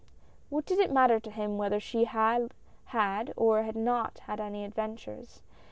What did it matter to him whether she had had, or had not had any adventures